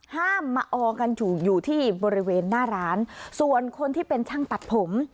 ห้ามมาออกันถูกอยู่ที่บริเวณหน้าร้านส่วนคนที่เป็นช่างตัดผม